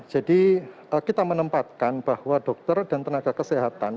kita menempatkan bahwa dokter dan tenaga kesehatan